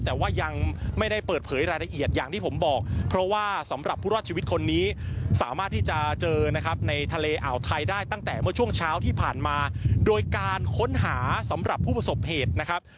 แต่ว่ายังไม่ได้เปิดเผยรายละเอียดอย่างที่ผมบอกเพราะว่าสำหรับผู้รอดชีวิตคนนี้สามารถที่จะเจอนะครับในทะเลอ่าวไทยได้ตั้งแต่เมื่อช่วงเช้าที่ผ่านมาโดยการค้นหาสำหรับผู้ประสบเหตุนะครับ